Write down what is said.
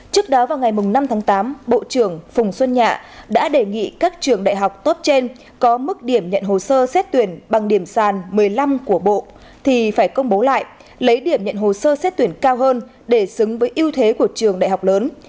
trước đó vào ngày năm tháng tám bộ trưởng phùng xuân nhạ đã đề nghị các trường đại học top trên có mức điểm nhận hồ sơ xét tuyển bằng điểm sàn một mươi năm của bộ thì phải công bố lại lấy điểm nhận hồ sơ xét tuyển cao hơn để xứng với ưu thế của trường đại học lớn